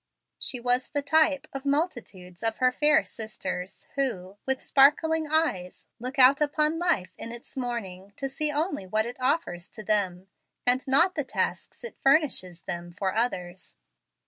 She was the type of multitudes of her fair sisters, who, with sparkling eyes, look out upon life in its morning to see only what it offers to them, and not the tasks it furnishes them for others.